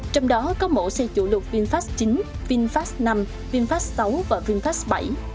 trong đó có mẫu xe chủ lục vinfast chín vinfast năm vinfast sáu và vinfast bảy